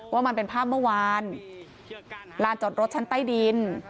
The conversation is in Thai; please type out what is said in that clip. ว่ามันเป็นภาพเมื่อวานลานจอดรถชั้นใต้ดิน